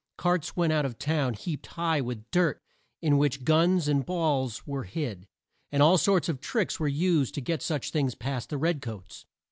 Carts went out of town heaped high with dirt in which guns and balls were hid; and all sorts of tricks were used to get such things past the red coats.